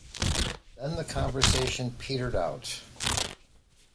Then the conversation petered out.